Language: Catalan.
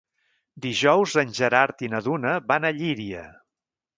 Dijous en Gerard i na Duna van a Llíria.